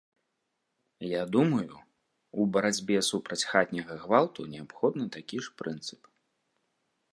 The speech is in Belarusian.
Я думаю, у барацьбе супраць хатняга гвалту неабходны такі ж прынцып.